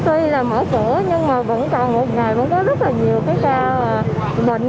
tuy là mở cửa nhưng mà vẫn còn một ngày vẫn có rất là nhiều cái ca bệnh